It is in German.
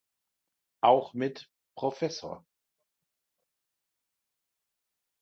Auch mit „Prof.